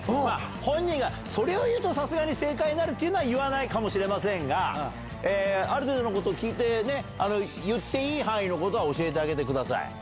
本人がそれを言うとさすがに正解になるというのは言わないかもしれませんがある程度のことを聞いて言っていい範囲は教えてください。